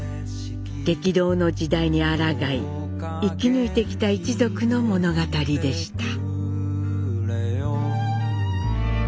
激動の時代にあらがい生き抜いてきた一族の物語でした。